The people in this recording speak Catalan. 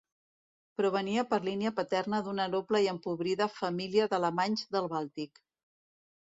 Provenia per línia paterna d'una noble i empobrida família d'alemanys del Bàltic.